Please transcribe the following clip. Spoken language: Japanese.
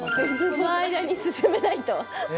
この間に進めないと。